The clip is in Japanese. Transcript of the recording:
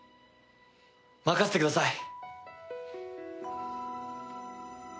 任せてください。